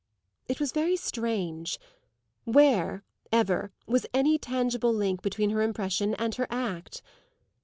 It was very strange: where, ever, was any tangible link between her impression and her act?